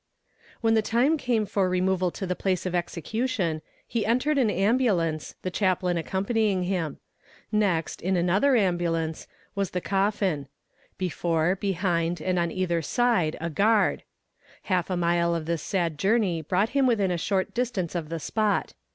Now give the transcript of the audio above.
"When the time came for removal to the place of execution, he entered an ambulance, the chaplain accompanying him. Next, in another ambulance, was the coffin; before, behind, and on either side a guard. Half a mile of this sad journey brought him within a short distance of the spot.